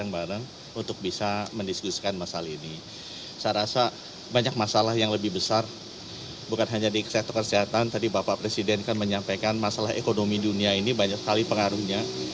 bukan hanya di sektor kesehatan tadi bapak presiden kan menyampaikan masalah ekonomi dunia ini banyak sekali pengaruhnya